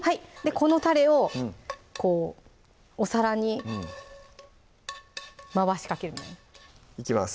このたれをこうお皿に回しかけるみたいないきます